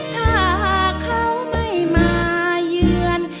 ถ้าเขาไม่มาเยือน